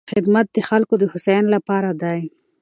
خدمت د خلکو د هوساینې لپاره دی.